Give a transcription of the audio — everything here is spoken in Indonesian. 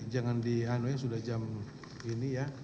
jangan di anuin sudah jam ini ya